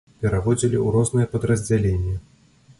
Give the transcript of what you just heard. Пераводзілі ў розныя падраздзяленні.